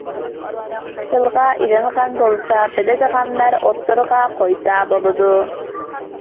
تىلغا ئېلىنغان بولسا بىلىدىغانلار ئوتتۇرىغا قويسا بولىدۇ.